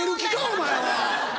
お前は。